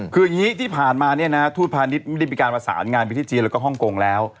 คืออย่างนี้ที่ผ่านมาเนี่ยนะทูตพาณิชย์ไม่ได้มีการประสานงานไปที่จีนแล้วก็ฮ่องกงแล้ว